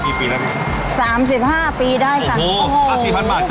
เงินเดือน๔๐๐๐บาทนะคะ